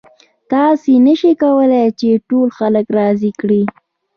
تاسې نشئ کولی چې ټول خلک راضي کړئ.